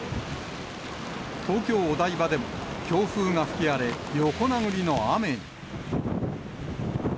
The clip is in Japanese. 東京・お台場でも強風が吹き荒れ、横殴りの雨に。